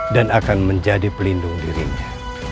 dan akan menjadi pelindung dirinya